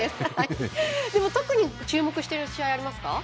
でも特に注目している試合はありますか？